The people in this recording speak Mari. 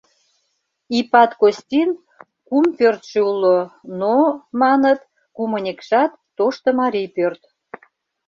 Ипат Костин кум пӧртшӧ уло, но, маныт, кумынекшат — тошто марий пӧрт.